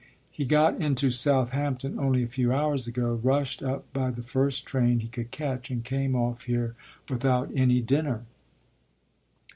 He got into Southampton only a few hours ago, rushed up by the first train he could catch and came off here without any dinner."